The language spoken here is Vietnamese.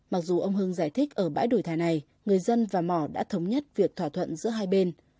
mặc dù ông hưng giải thích ở bãi đổi thẻ này người dân và mỏ đã thống nhất việc thỏa thuận giữa hai bên